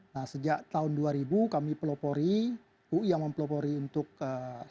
nah sejak tahun dua ribu kami pelopori ui yang mempelopori untuk